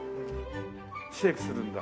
シェークするんだ。